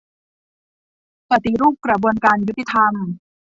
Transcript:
ปฏิรูปกระบวนการยุติธรรม